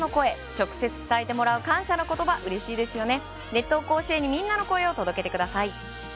直接伝えてもらう感謝の言葉、うれしいですよね。